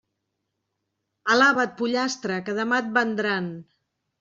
Alaba't, pollastre, que demà et vendran.